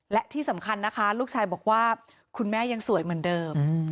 และที่สำคัญนะคะลูกชายบอกว่าคุณแม่ยังสวยเหมือนเดิม